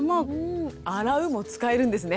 洗うも使えるんですね。